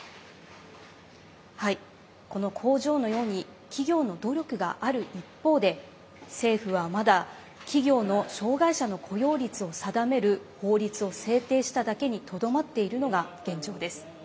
この工場のように企業の努力がある一方で政府はまだ企業の障害者の雇用率を定める法律を制定しただけにとどまっているのが現状です。